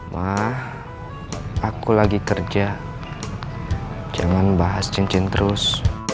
wah aku lagi kerja jangan bahas cincin terus